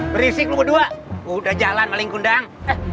berisik lu berdua udah jalan maling kundang